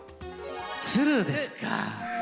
ツルですか。